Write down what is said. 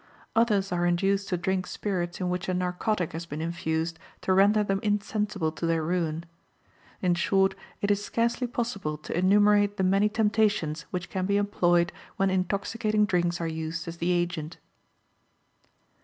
Others are induced to drink spirits in which a narcotic has been infused to render them insensible to their ruin. In short, it is scarcely possible to enumerate the many temptations which can be employed when intoxicating drinks are used as the agent.